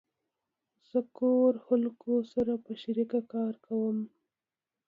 زه کور خلقو سره په شریکه کار کوم